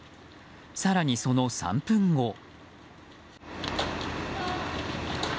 更に、その３分後。